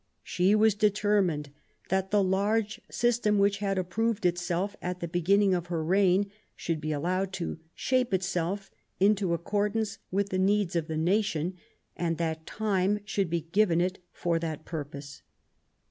She was determined that the large system which had approved itself at the beginning of her reign should be allowed to shape itself into accord ance with the needs of the nation, and that time should be given it for that purpose.